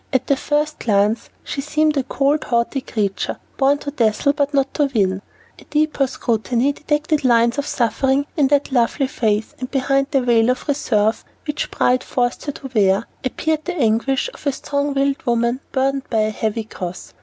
At the first glance she seemed a cold, haughty creature, born to dazzle but not to win. A deeper scrutiny detected lines of suffering in that lovely face, and behind the veil of reserve, which pride forced her to wear, appeared the anguish of a strong willed woman burdened by a heavy cross.